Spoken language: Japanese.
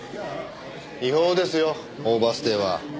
違法ですよオーバーステイは。